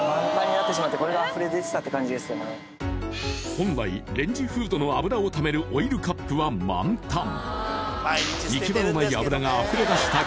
本来レンジフードの油をためるオイルカップは満タン。